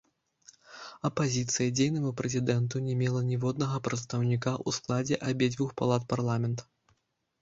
Апазіцыя дзейнаму прэзідэнту не мела ніводнага прадстаўніка ў складзе абедзвюх палат парламент.